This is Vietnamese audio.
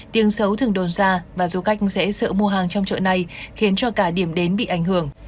tiếng xấu thường đồn ra và du khách sẽ sợ mua hàng trong chợ này khiến cho cả điểm đến bị ảnh hưởng